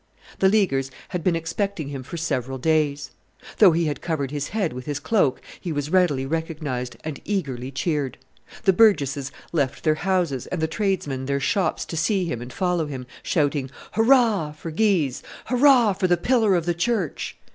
The Leaguers had been expecting him for several days. Though he had covered his head with his cloak, he was readily recognized and eagerly cheered; the burgesses left their houses and the tradesmen their shops to see him and follow him, shouting, "Hurrah! for Guise; hurrah! for the pillar of the church!"